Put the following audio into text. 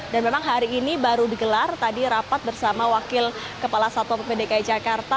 dan memang hari ini baru digelar tadi rapat bersama wakil kepala satwa ppdki jakarta